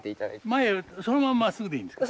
前そのまんままっすぐでいいんですか？